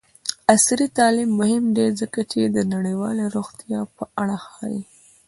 عصري تعلیم مهم دی ځکه چې د نړیوالې روغتیا په اړه ښيي.